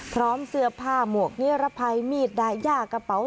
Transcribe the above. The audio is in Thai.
พร้อมเสื้อผ้าหมวกนิรภัยมีดดายากระเป๋า